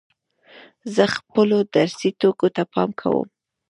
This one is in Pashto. زه خپلو درسي توکو ته پام کوم.